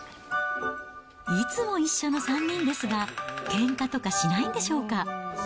いつも一緒の３人ですが、けんかとかしないんでしょうか。